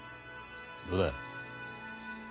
どうだ？